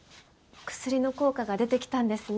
薬の効果が出てきたんですね。